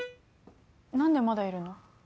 何でまだいるの？